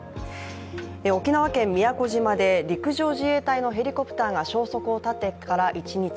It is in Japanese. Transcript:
沖縄県宮古島で陸上自衛隊のヘリコプターが消息を絶ってから一日。